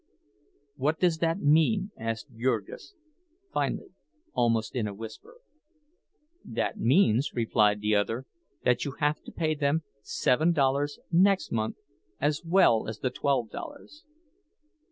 "What does that mean?" asked Jurgis finally, almost in a whisper. "That means," replied the other, "that you have to pay them seven dollars next month, as well as the twelve dollars."